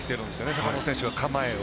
坂本選手、構えを。